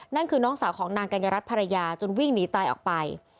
นั่นคือน้องสาวของนางกัญญารัฐภรรยาจนวิ่งหนีตายออกไป